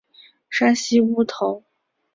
山西乌头为毛茛科乌头属下的一个种。